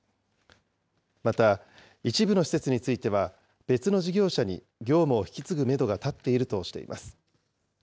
また、一部の施設については、別の事業者に業務を引き継ぐメドが立っているとしています。